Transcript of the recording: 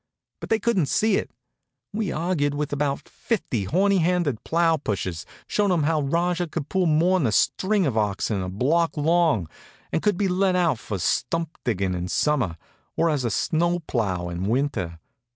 But they couldn't see it. We argued with about fifty horny handed plow pushers, showin' 'em how Rajah could pull more'n a string of oxen a block long, and could be let out for stump digging in summer, or as a snow plough in winter.